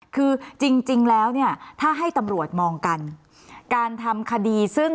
คือจริงแล้วไม่ออกถ้าให้ตำรวจมองกันการทำคดีซึ่ง